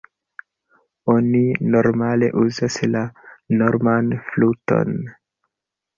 Oni normale uzas la norman fluton.